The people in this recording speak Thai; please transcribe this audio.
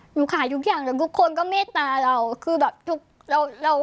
หนูขายทุกอย่างเลยทุกคนก็เมตตาเราคือแบบทุกเราเรา